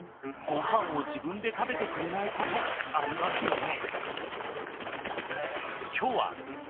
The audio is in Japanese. ごはんを自分で食べてくれないことありますよね。